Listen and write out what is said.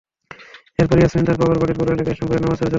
এরপর ইয়াসমিন তাঁর বাবার বাড়ি পৌর এলাকার ইসলামপুরের নামোচরে চলে যান।